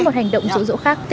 đúng rồi đúng rồi